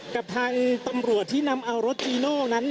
กับทางตำรวจที่นำเอารถจีโน่นั้น